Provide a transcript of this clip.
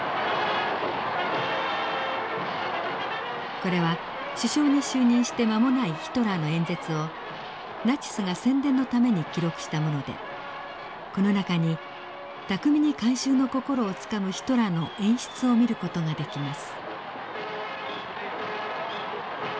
これは首相に就任して間もないヒトラーの演説をナチスが宣伝のために記録したものでこの中に巧みに観衆の心をつかむヒトラーの演出を見る事ができます。